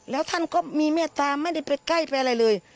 แล้วท่านก็มีเมตตาไม่ได้ไปใกล้ไปอะไรเลย